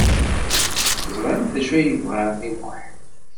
Ẓrant d acu ay yebɣa ɛemmi Muḥ.